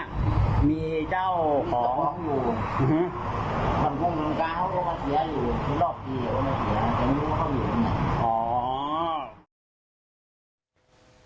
แต่ไม่รู้เข้ามาอยู่หรือเปล่า